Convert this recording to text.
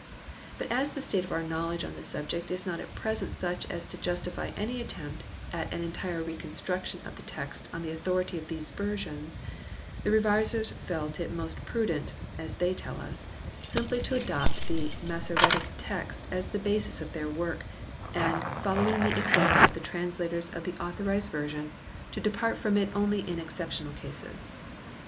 But as the state of our knowledge on this subject is not at present such as to justify any attempt at an entire reconstruction of the text on the authority of these Versions, the revisers felt it most prudent, as they tell us, simply to adopt the Massoretic Text as the basis of their work, and, following the ex ample of the translators of the Authorised Version, to depart from it only in exceptional cases.